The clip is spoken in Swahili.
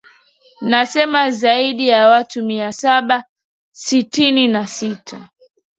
nasema zaidi ya watu mia saba sitini na sita